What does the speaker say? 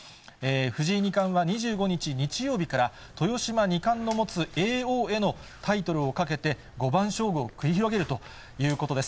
藤井二冠は２５日日曜日から、豊島二冠の持つ叡王へのタイトルを懸けて、五番勝負を繰り広げるということです。